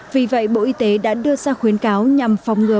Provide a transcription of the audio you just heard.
vì vậy bộ y tế đã đưa ra khuyến cáo nhằm phòng ngừa